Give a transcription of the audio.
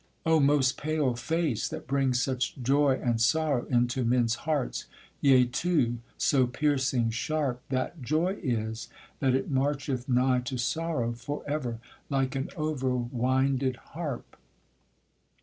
O most pale face, that brings such joy and sorrow Into men's hearts (yea, too, so piercing sharp That joy is, that it marcheth nigh to sorrow For ever, like an overwinded harp).